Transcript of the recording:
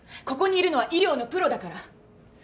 ここにいるのは医療のプロだから。